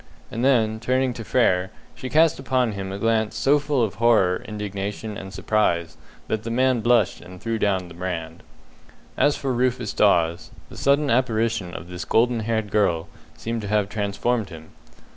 and then, turning to Frere, she cast upon him a glance so full of horror, indignation, and surprise, that the man blushed and threw down the brand. As for Rufus Dawes, the sudden apparition of this golden haired girl seemed to have transformed him.